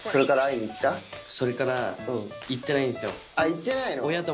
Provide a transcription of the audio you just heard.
行ってないの？